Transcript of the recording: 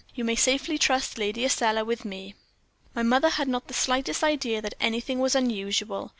You may safely trust Lady Estelle with me.' "My mother had not the slightest idea that anything was unusual.